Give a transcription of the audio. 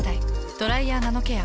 「ドライヤーナノケア」。